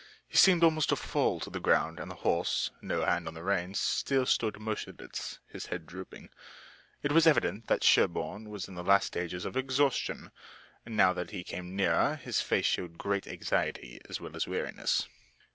He seemed almost to fall to the ground, and the horse, no hand on the reins, still stood motionless, his head drooping. It was evident that Sherburne was in the last stages of exhaustion, and now that he came nearer his face showed great anxiety as well as weariness.